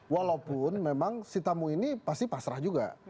walaupun memang si tamu ini pasti pasrah juga